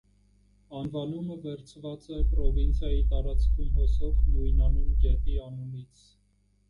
Անվանումը վերցված է պրովինցիայի տարածքում հոսող նույնանուն գետի անունից։